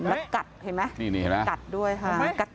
แล้วกัดเห็นไหมนี่นะกัดด้วยค่ะ